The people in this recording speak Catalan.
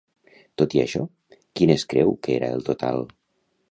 Tot i això, quin es creu que era el total?